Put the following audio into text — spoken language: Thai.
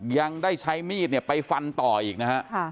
ยังได้ใช้มีดเนี่ยไปฟันต่ออีกนะฮะ